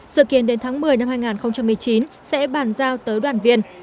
sự kiện đến tháng một mươi năm hai nghìn một mươi chín sẽ bàn giao tới đoàn viên